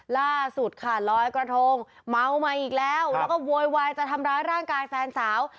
ล่าสุดค่ะลอยกระทงเมามาอีกแล้วแล้วก็โวยวายจะทำร้ายร่างกายแฟนสาว